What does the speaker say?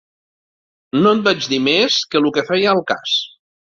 No et vaig dir més que lo que feia al cas.